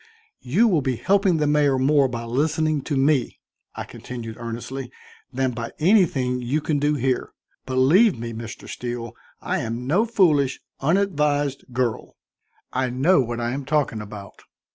"You will be helping the mayor more by listening to me," I continued earnestly, "than by anything you can do here. Believe me, Mr. Steele, I am no foolish, unadvised girl. I know what I am talking about."